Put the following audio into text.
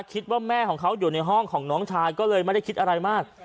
คิดว่าแม่ของเขาอยู่ในห้องของน้องชายก็เลยไม่ได้คิดอะไรมาก